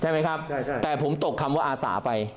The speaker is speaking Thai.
ใช่ไหมครับใช่ใช่แต่ผมตกคำว่าอาสาไปอ๋อ